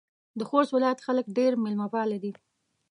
د خوست ولایت خلک ډېر میلمه پاله دي.